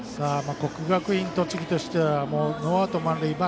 国学院栃木としてはノーアウト満塁。